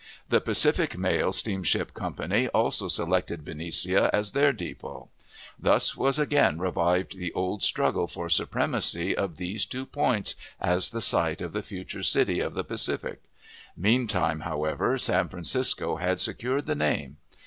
The Pacific Mail Steamship Company also selected Benicia as their depot. Thus was again revived the old struggle for supremacy of these two points as the site of the future city of the Pacific. Meantime, however, San Francisco had secured the name.